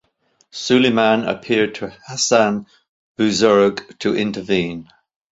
Suleiman appealed to Hasan Buzurg to intervene.